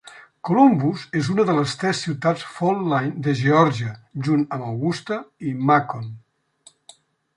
Columbus és una de les tres ciutats Fall Line de Geòrgia, junt amb Augusta y Macon.